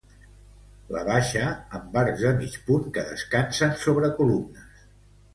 La baixa amb arcs de mig punt que descansen sobre columnes.